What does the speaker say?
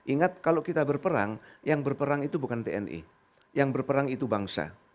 ingat kalau kita berperang yang berperang itu bukan tni yang berperang itu bangsa